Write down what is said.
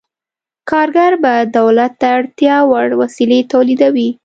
کارګر به دولت ته اړتیا وړ وسلې تولیدوي.